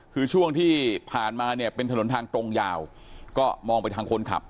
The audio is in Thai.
คือช่วงที่ผ่านมาเนี่ยเป็นถนนทางตรงยาวก็มองไปทางคนขับ